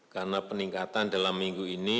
karena peningkatan dalam minggu ini